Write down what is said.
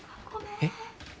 えっ？